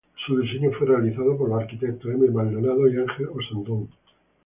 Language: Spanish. Su diseño fue realizado por los arquitectos M. Maldonado y Ángel Ossandón.